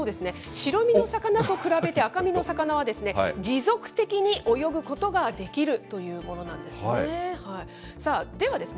白身の魚と比べて赤身のお魚は、持続的に泳ぐことができるというものなんですね。